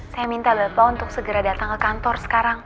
saya minta bapak untuk segera datang ke kantor sekarang